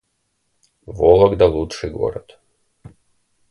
Вологда — лучший город